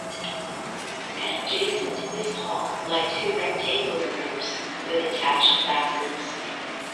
Adjacent to this hall lie two rectangular rooms with attached bathrooms.